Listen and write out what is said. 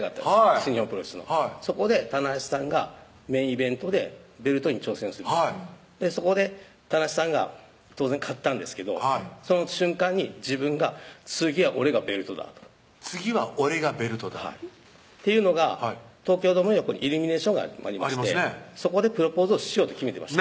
新日本プロレスのそこで棚橋さんがメインイベントでベルトに挑戦するそこで棚橋さんが当然勝ったんですけどその瞬間に自分が次は俺がベルトだ次は俺がベルトだっていうのが東京ドームの横にイルミネーションがありましてそこでプロポーズをしようと決めてました